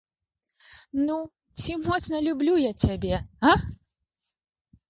Ну, ці моцна люблю я цябе, га?